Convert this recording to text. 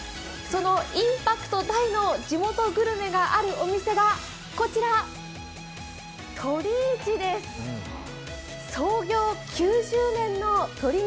そのインパクト大の地元グルメがあるお店がこちら鳥